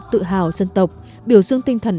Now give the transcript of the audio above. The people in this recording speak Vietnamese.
tự hào dân tộc biểu dương tinh thần